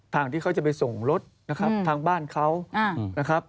ทางที่เขาจะไปส่งรถนะครับทางบ้านเขานะครับ